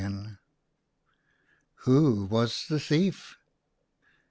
WHO WAS THE THIEF?